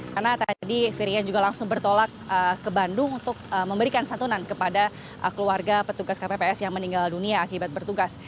karena tadi firian juga langsung bertolak ke bandung untuk memberikan santunan kepada keluarga petugas kpps yang meninggal dunia akibat bertugas